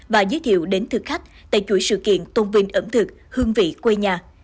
và giới thiệu đến thực khách tại chuỗi sự kiện tôn vinh ẩm thực hương vị quê nhà